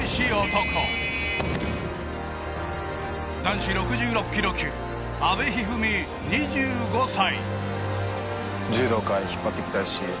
男子６６キロ級阿部一二三、２５歳。